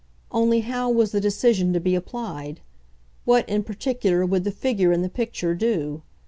Only how was the decision to be applied? what, in particular, would the figure in the picture do?